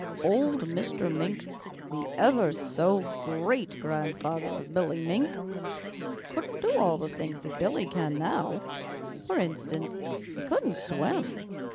"Old Mr. Mink, the ever so great grandfather of Billy Mink, couldn't do all the things that Billy can now. For instance, he couldn't swim.